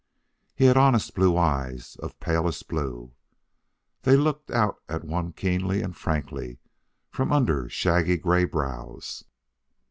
He had honest blue eyes of palest blue; they looked out at one keenly and frankly from under shaggy gray brows.